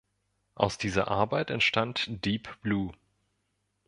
Aus dieser Arbeit entstand Deep Blue.